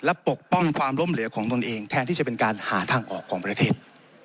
และปกป้องความล้มเหลือของตนเองแทนที่จะเป็นการหาทางออกของประเทศ